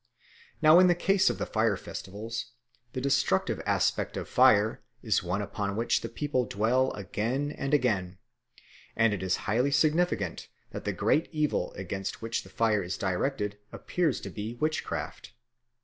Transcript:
Now in the case of the fire festivals the destructive aspect of fire is one upon which the people dwell again and again; and it is highly significant that the great evil against which the fire is directed appears to be witchcraft.